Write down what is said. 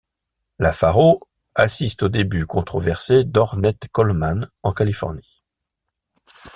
LaFaro assiste aux débuts controversés d’Ornette Coleman en Californie.